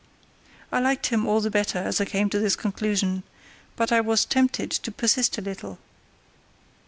I liked him all the better as I came to this conclusion, but I was tempted to persist a little.